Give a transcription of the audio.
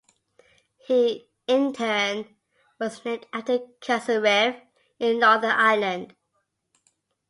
He, in turn, was named after Castlereagh in Northern Ireland.